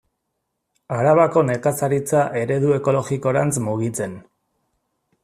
Arabako nekazaritza eredu ekologikorantz mugitzen.